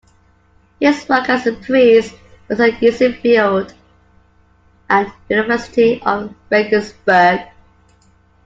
His work as a priest was at Geisenfeld, at the University of Regensburg.